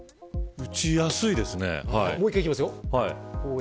打ちやすいですね。